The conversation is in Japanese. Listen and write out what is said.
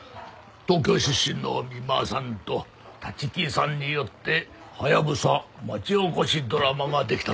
東京出身の三馬さんと立木さんによってハヤブサ町おこしドラマができたという事ですな。